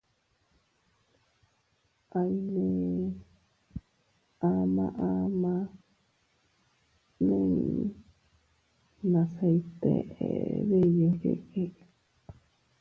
Aiynee ama ama nii nase iyteʼe diyu yiʼi.